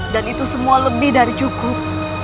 dan itu semua lebih dari cukup